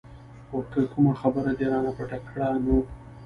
خو که کومه خبره دې رانه پټه کړه نو.